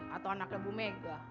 atau anaknya bu mega